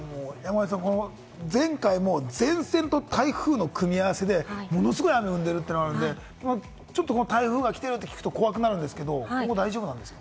前回も前線と台風の組み合わせで、ものすごい雨になったところもあるので、台風が来てるって聞くと怖くなるんですけれども、もう大丈夫なんですか？